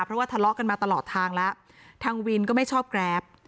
เพราะว่าทะเลาะกันมาตลอดทางแล้วทางวินก็ไม่ชอบแกรป